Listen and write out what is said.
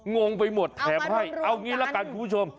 งงไปหมดแถมให้เอาอย่างนี้แล้วค่ะคุณผู้ชม